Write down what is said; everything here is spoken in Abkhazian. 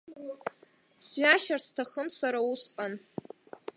Сҩашьар сҭахым сара усҟан.